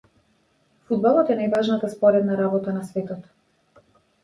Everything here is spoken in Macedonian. Фудбалот е најважната споредна работа на светот.